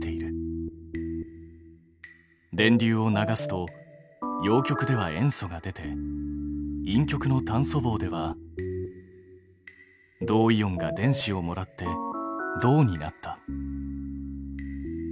電流を流すと陽極では塩素が出て陰極の炭素棒では銅イオンが電子をもらって銅になった。